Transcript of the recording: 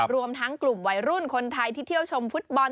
รวมทั้งกลุ่มวัยรุ่นคนไทยที่เที่ยวชมฟุตบอล